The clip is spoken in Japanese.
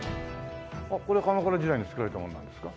これ鎌倉時代に造られたものなんですか？